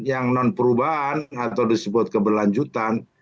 yang non perubahan atau disebut keberlanjutan